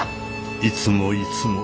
いつもいつも。